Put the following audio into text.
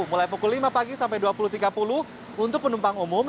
mulai pukul lima pagi sampai dua puluh tiga puluh untuk penumpang umum